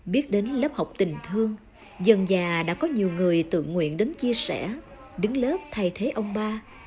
biết đến lớp học tình thương dần già đã có nhiều người tự nguyện đến chia sẻ đứng lớp thay thế ông ba